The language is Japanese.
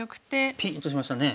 ピンッとしましたね。